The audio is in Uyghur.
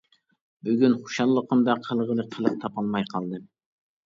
بۈگۈن خۇشاللىقىمدا قىلغىلى قىلىق تاپالماي قالدىم.